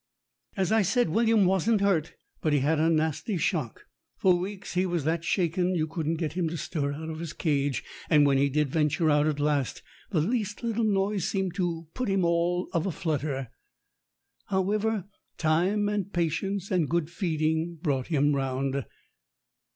As I said, William wasn't hurt, but he'd had a nasty shock. For weeks he was that shaken you couldn't get him to stir out of his cage. And when he did venture out at last, the least little noise seemed to put him all of a flutter. However, time and patience, and good feeding, brought him round.